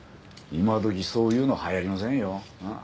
今どきそういうの流行りませんよ。なあ？